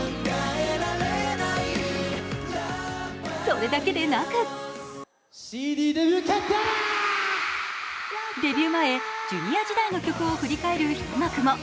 それだけでなくデビュー前、ジュニア時代の曲を振り返る一幕も。